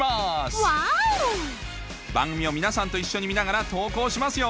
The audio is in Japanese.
番組を皆さんと一緒に見ながら投稿しますよ！